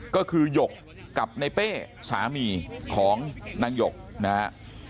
ก็คือหยกกับในเป้สามีของนางหยกนะฮะ